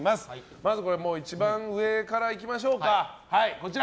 まずは一番上からいきましょう。